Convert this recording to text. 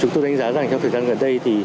chúng tôi đánh giá rằng trong thời gian gần đây